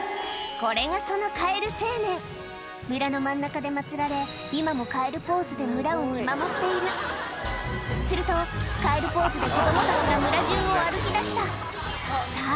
これがそのカエル青年村の真ん中で祭られ今もカエルポーズで村を見守っているするとカエルポーズで子供たちが村じゅうを歩きだしたさぁ